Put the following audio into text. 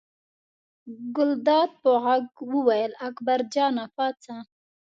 ګلداد په غږ وویل اکبر جانه پاڅه.